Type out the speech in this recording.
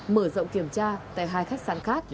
mở rộng kiểm tra tại hai khách sạn khác